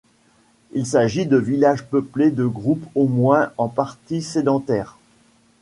Il s'agit de villages peuplés de groupes au moins en partie sédentaire.